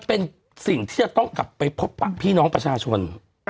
ปุ๊บเจอประชาชน